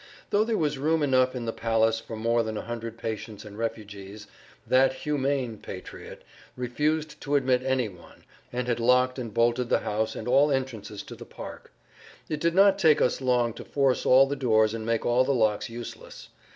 Though there was room[Pg 63] enough in the palace for more than a hundred patients and refugees, that humane patriot refused to admit any one, and had locked and bolted the house and all entrances to the park. It did not take us long to force all the doors and make all the locks useless.